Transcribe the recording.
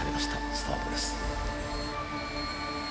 スタートです。